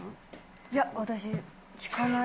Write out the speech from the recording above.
いや私聴かない。